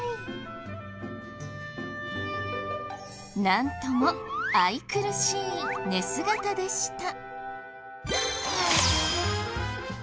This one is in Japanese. なんとも愛くるしい寝姿でした。